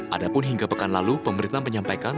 adapun hingga pekan lalu pemerintah menyampaikan